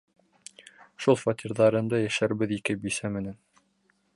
Шул фатирҙарында йәшәрбеҙ ике бисә менән!